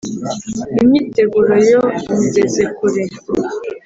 Imyiteguro yo nyigeze kure